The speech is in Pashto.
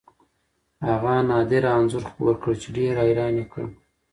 هغه نادره انځور خپور کړ چې ډېر حیران یې کړل.